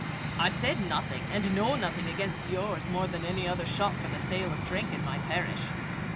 "I said nothing, and know nothing, against yours more than any other shop for the sale of drink in my parish."